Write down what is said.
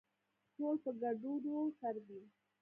ټول په ګډووډو سر دي